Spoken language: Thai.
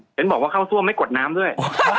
เห็นบอกว่าเข้าท่วมไม่กดน้ำด้วย